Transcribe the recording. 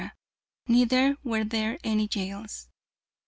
Neither were there any jails.